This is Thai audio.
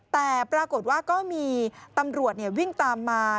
แต่ปรากฏว่าก็มีตำรวจวิ่งตามมา